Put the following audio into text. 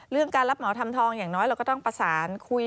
การรับเหมาทำทองอย่างน้อยเราก็ต้องประสานคุย